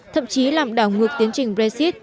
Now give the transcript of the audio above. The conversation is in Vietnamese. thậm chí làm đảo ngược tiến trình besikt